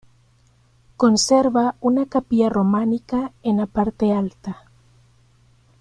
Conserva una capilla románica en la parte alta.